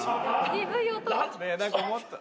鈍い音が。